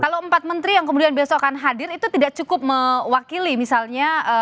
kalau empat menteri yang kemudian besok akan hadir itu tidak cukup mewakili misalnya